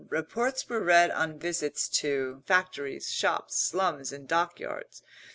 Reports were read of visits to factories, shops, slums, and dockyards.